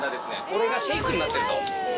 これがシェイクになってると。